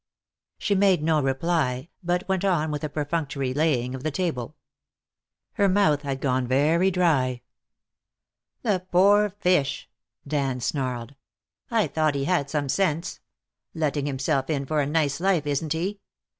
She made no reply, but went on with a perfunctory laying of the table. Her mouth had gone very dry. "The poor fish," Dan snarled. "I thought he had some sense. Letting himself in for a nice life, isn't he?